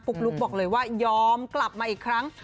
ลุ๊กบอกเลยว่ายอมกลับมาอีกครั้ง